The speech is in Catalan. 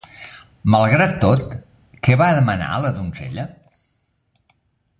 Malgrat tot, què va manar a la donzella?